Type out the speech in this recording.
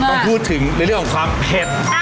ต้องพูดถึงในเรื่องของความเผ็ด